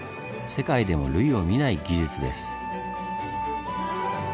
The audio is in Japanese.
世界でも類を見ない技術です。